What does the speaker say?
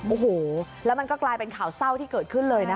โอ้โหแล้วมันก็กลายเป็นข่าวเศร้าที่เกิดขึ้นเลยนะคะ